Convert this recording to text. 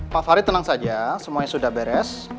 pak farid tenang saja semuanya sudah beres